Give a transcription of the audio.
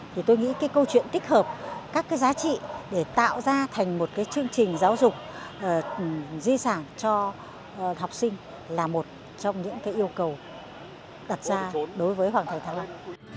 thì tôi nghĩ cái câu chuyện tích hợp các cái giá trị để tạo ra thành một cái chương trình giáo dục di sản cho học sinh là một trong những yêu cầu đặt ra đối với hoàng thành thăng long